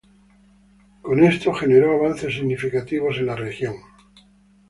Con esto generó avances significativos en la región.